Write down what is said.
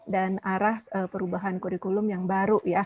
dan arah perubahan kurikulum yang baru